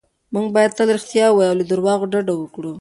موږ باید تل رښتیا ووایو او له درواغو ډډه وکړو.